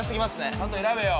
ちゃんと選べよ！